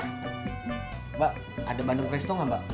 mbak ada bandung restoran gak mbak